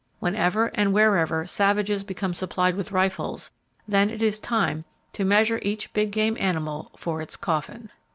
Whenever and wherever savages become supplied with rifles, then it is time to measure each big game animal for its coffin.